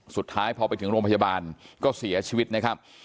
สุดท้ายพอไปถึงโรงพยาบาลก็เสียชีวิตนะครับ